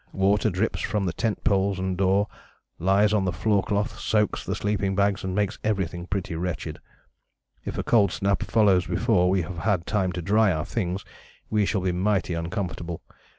water drips from the tent poles and door, lies on the floor cloth, soaks the sleeping bags, and makes everything pretty wretched. If a cold snap follows before we have had time to dry our things, we shall be mighty uncomfortable.